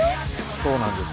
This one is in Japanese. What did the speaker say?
そうなんです。